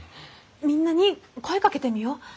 みんなに声かけてみよう。